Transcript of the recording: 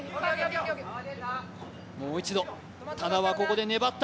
もう一度、多田はここで粘った。